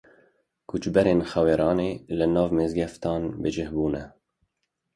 Koçberên Xwêranê li nav mizgeftan bicih bûne.